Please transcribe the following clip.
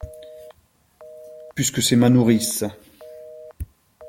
Puisque c’est ma nourrice.